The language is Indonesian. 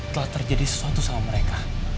telah terjadi sesuatu sama mereka